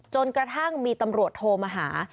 จนกระทั่งมีตำรวจโทรมาหา